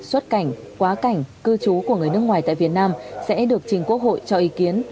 xuất cảnh quá cảnh cư trú của người nước ngoài tại việt nam sẽ được trình quốc hội cho ý kiến